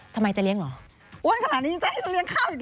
ทำไมจะเลี้ยงเหรอ